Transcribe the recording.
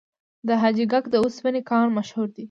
د حاجي ګک د وسپنې کان مشهور دی